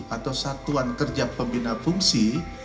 atau satuan kerja pembina fungsi